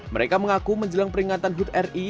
mereka mengaku menjelang peringatan hud ri